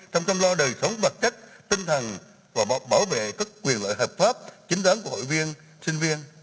trong chăm lo đời sống vật chất tinh thần và bảo vệ các quyền lợi hợp pháp chính đáng của hội viên sinh viên